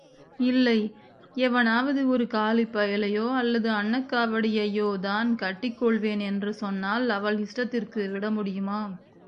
இல்லை எவனாவது ஒரு காலிப்பயலையோ அல்லது அன்னக்காவடியையோதான் கட்டிக் கொள்வேன் என்று சொன்னால் அவள் இஷ்டத்திற்கு விட முடியுமா?